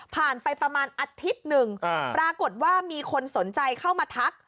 ไปประมาณอาทิตย์หนึ่งปรากฏว่ามีคนสนใจเข้ามาทัก